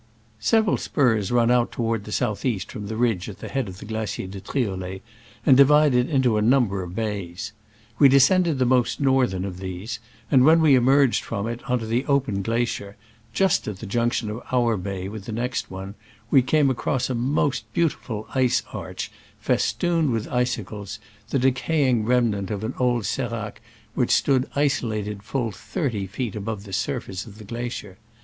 Several spurs run out toward the south east from the ridge at the head of the Glacier de Triolet, and divide it into a number of bays. We descended the most northern of these, and when we emerged from it on to the open glacier, just at the junction of our bay with the next one, we came across a most beautiful ice arch festooned with icicles, the decaying remnant of an old s6rac, * Great crevasses. A bergschnind is a schrund, but something more. which stood isolated full thirty feet above the surface of the glacier!